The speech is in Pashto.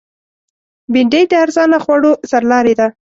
بېنډۍ د ارزانه خوړو سرلاری ده